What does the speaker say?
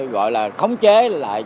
gọi là khống chế lại